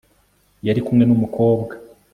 yarikumwe n'umukobwa